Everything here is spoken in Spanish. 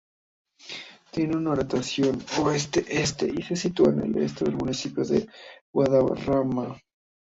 Tiene una orientación oeste-este y se sitúa al oeste del municipio de Guadarrama.